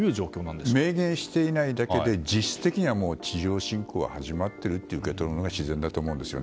明言していないだけで実質的には地上侵攻は始まっていると受け取るのが自然だと思います。